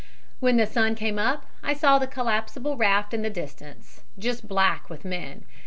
When the sun came up I saw the collapsible raft in the distance, just black with men.